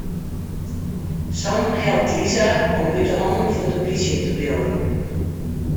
Sam helpt Lisa om út 'e hannen fan de plysje te bliuwen.